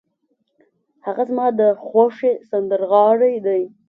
هغه زما د خوښې سندرغاړی دی.